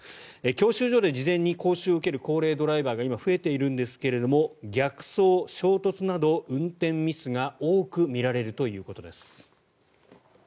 教習所で事前に講習を受ける高齢ドライバーが今、増えているんですが逆走、衝突など運転ミスが多く見られるということです。